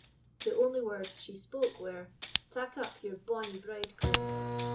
The only words she spoke were, "Tak up your bonny bridegroom."